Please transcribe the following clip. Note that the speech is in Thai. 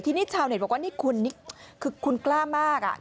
ทีนี้ชาวเน็ตบอกว่าคุณกล้ามาก